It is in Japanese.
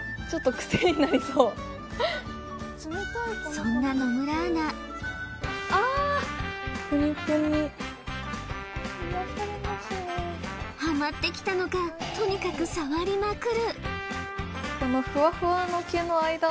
そんな野村アナハマってきたのかとにかく触りまくる